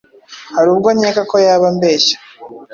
harubwo nkeka ko yaba ambeshya